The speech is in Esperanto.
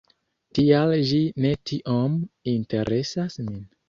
Tial ĝi ne tiom interesas min.